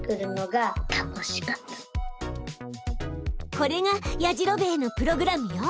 これがやじろべえのプログラムよ！